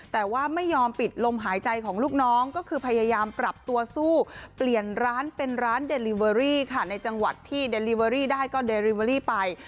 แต่ว่าไม่ยอมปิดลมหายใจของลูกน้องก็คือพยายามปรับตัวสู้เปลี่ยนร้านเป็นร้านเดลิเวอรี่ค่ะในจังหวัดที่เดลิเวอรี่ได้ก็เดริเวอรี่ไป